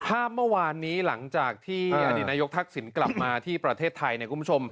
ภาพเมื่อวานนี้หลังจากที่อดีตนายกทักษิณกลับมาที่ประเทศไทย